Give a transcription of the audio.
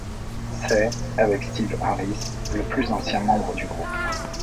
C'est, avec Steve Harris, le plus ancien membre du groupe.